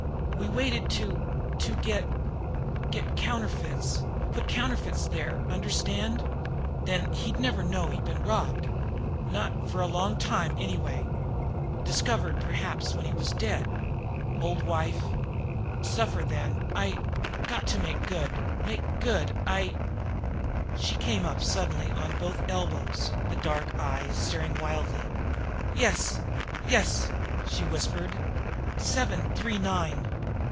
We waited to to get get counterfeits put counterfeits there understand? Then he'd never know he'd been robbed not for a long time anyway discovered perhaps when he was dead old wife suffer then I got to make good make good I " She came up suddenly on both her elbows, the dark eyes staring wildly. "Yes, yes!" she whispered. "Seven three nine!